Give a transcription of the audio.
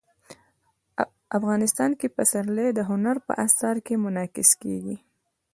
افغانستان کې پسرلی د هنر په اثار کې منعکس کېږي.